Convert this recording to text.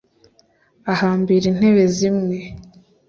ahambira intebe ziwe